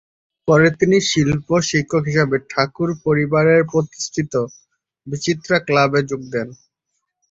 পরে তিনি শিল্প-শিক্ষক হিসাবে ঠাকুর পরিবার প্রতিষ্ঠিত ""বিচিত্রা ক্লাবে"" যোগ দেন।